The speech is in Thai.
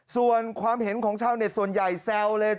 ส่วนความเห็นของชาวเน็ตส่วนใหญ่แซวเลย